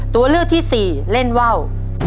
ตัวเลือกที่สี่เล่นว่าว